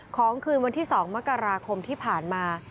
คืนวันที่๒มกราคมที่ผ่านมา